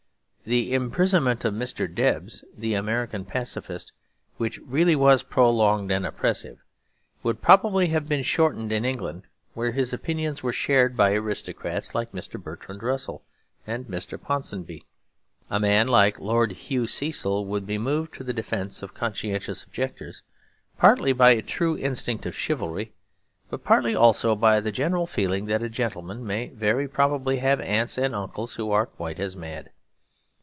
The imprisonment of Mr. Debs, the American Pacifist, which really was prolonged and oppressive, would probably have been shortened in England where his opinions were shared by aristocrats like Mr. Bertrand Russell and Mr. Ponsonby. A man like Lord Hugh Cecil could be moved to the defence of conscientious objectors, partly by a true instinct of chivalry; but partly also by the general feeling that a gentleman may very probably have aunts and uncles who are quite as mad.